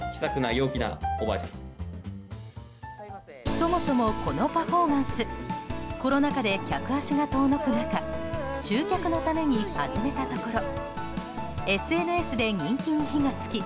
そもそもこのパフォーマンスコロナ禍で客足が遠のく中集客のために始めたところＳＮＳで人気に火が付き